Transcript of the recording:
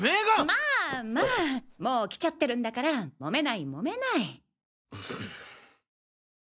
まあまあもう来ちゃってるんだからモメないモメない。